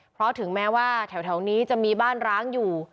เพราะถึงแม้ว่าแถวนี้จะมีบ้านร้างอยู่